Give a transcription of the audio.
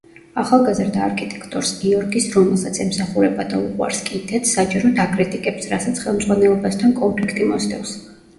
ახალგაზრდა არქიტექტორს გიორგის, რომელსაც ემსახურება და უყვარს კიდეც, საჯაროდ აკრიტიკებს, რასაც ხელმძღვანელობასთან კონფლიქტი მოსდევს.